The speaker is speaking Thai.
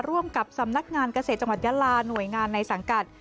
ร่วมกับสำนักงานเกษตรจังหวัดยาลาหน่วยงานในสังกัด